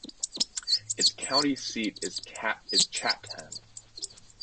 Its county seat is Chatham.